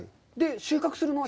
収穫するのは？